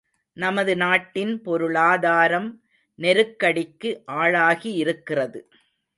நமது நாட்டின் பொருளாதாரம் நெருக்கடிக்கு ஆளாகியிருக்கிறது.